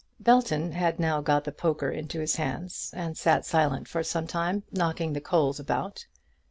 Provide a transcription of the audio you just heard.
Belton had now got the poker into his hands, and sat silent for some time, knocking the coals about.